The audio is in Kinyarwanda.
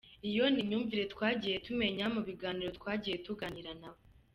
Iyo ni imyumvire twagiye tumemnya mu biganiro twagiye tugirana nabo.